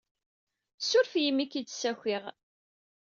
Ssuref-iyi imi i k-id-ssakiɣ.